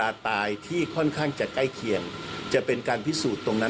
อัศวินแสรีด้วยให้เมืองให้มันเป็นภูมิต่อค่ะ